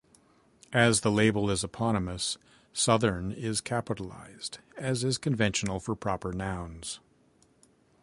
As the label is eponymous, Southern is capitalised, as is conventional for proper nouns.